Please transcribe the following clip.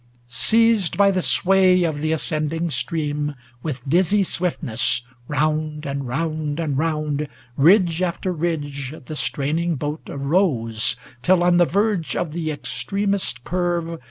Seized by the sway of the ascending stream. With dizzy swiftness, round and round and round, Ridge after ridge the straining boat arose, Till on the verge of the extremest curve.